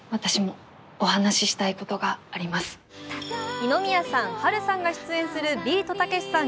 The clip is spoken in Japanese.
二宮さん、波瑠さんが出演するビートたけしさん